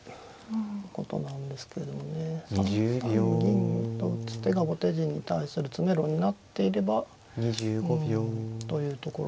３三銀と打つ手が後手陣に対する詰めろになっていればうんというところなんですが。